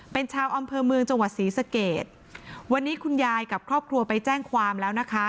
เป็นชาวอำเภอเมืองจังหวัดศรีสเกตวันนี้คุณยายกับครอบครัวไปแจ้งความแล้วนะคะ